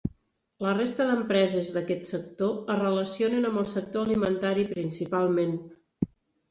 La resta d'empreses d'aquest sector es relacionen amb el sector alimentari principalment.